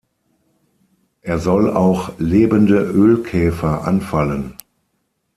Er soll auch lebende Ölkäfer anfallen.